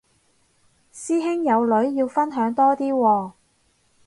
師兄有女要分享多啲喎